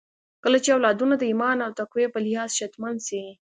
کله چې اولادونه د ايمان او تقوی په لحاظ شتمن سي